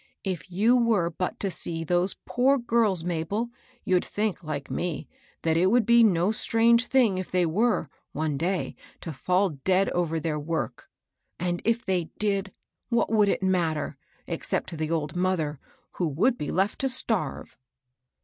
If you were but to see those poor girls, Mabel, you'd think, like me, that it would be no strange thing if they were, one day, to fall dead over their work. And if they did, what would it matter, except to the old mother, who would be left to starve?